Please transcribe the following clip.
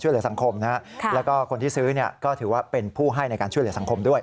ช่วยเหลือสังคมและคนที่ซื้อก็ถือว่าเป็นผู้ให้ในการช่วยเหลือสังคมด้วย